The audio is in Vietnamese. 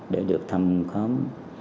để được thăm